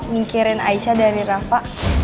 ngikirin aisyah dari rafa